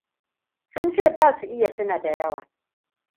Sun ce ba su iya tuna da yawa.